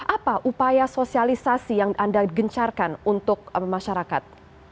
apa upaya sosialisasi yang anda gencarkan untuk masyarakat